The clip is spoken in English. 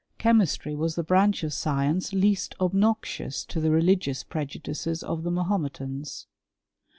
chemistry was the branch of science least obnozioas to the refigious prejudices of the Mahometans.